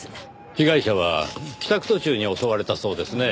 被害者は帰宅途中に襲われたそうですねぇ。